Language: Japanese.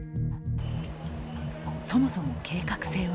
そもそも計画性は？